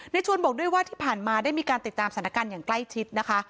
ชวนบอกด้วยว่าที่ผ่านมาได้มีการติดตามสถานการณ์อย่างใกล้ชิดนะคะ